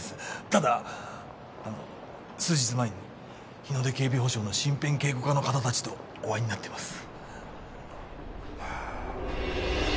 ただあの数日前に日ノ出警備保障の身辺警護課の方たちとお会いになっています。